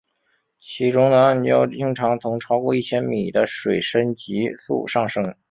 其中的暗礁经常从超过一千米的水深急速上升。